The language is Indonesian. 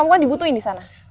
karena kamu kan dibutuhin disana